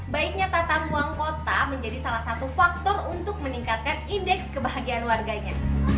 baiknya tata ruang kota menjadi salah satu faktor untuk meningkatkan indeks kebahagiaan warganya